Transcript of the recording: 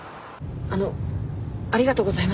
あのありがとうございます。